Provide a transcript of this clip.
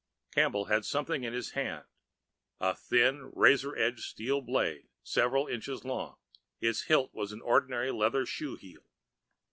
Campbell had something in his hand, a thin, razor edged steel blade several inches long. Its hilt was an ordinary leather shoe heel.